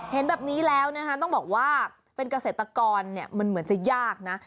เห็นแบบนี้แล้วนะคะต้องบอกว่าเป็นเกษตรกรเนี่ยมันเหมือนจะยากนะ